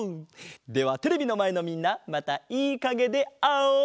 ではテレビのまえのみんなまたいいかげであおう！